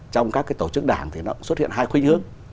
trong các tổ chức đảng thì nó xuất hiện hai khuyến hướng